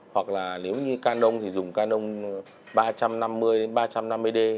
hoặc là nếu như canon thì dùng canon ba trăm năm mươi ba trăm năm mươi d